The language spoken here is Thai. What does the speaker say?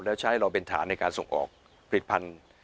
แล้วใช้เราเป็นฐานในการส่งออกผลิตภัณฑ์